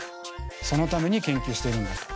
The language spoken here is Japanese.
そのために研究してるんだと。